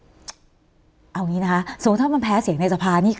เอาอย่างนี้นะคะสมมุติถ้ามันแพ้เสียงในสภานี่